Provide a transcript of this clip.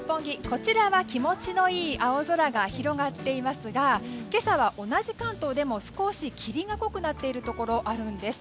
こちらは気持ちのいい青空が広がっていますが今朝は同じ関東でも少し霧が濃くなっているところがあるんです。